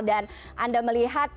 dan anda melihat